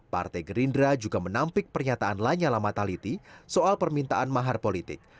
partai gerindra juga menampik pernyataan lanyala mataliti soal permintaan mahar politik